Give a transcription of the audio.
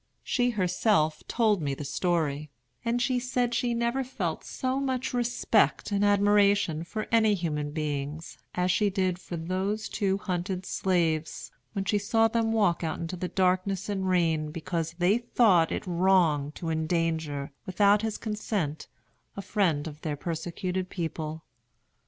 She herself told me the story; and she said she never felt so much respect and admiration for any human beings as she did for those two hunted slaves when she saw them walk out into the darkness and rain because they thought it wrong to endanger, without his consent, a friend of their persecuted people.